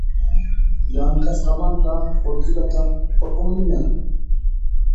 Llamk'asqanmanta qullqitaqa qunpuniña